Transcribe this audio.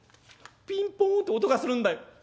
ピンポンと音がするんだよ。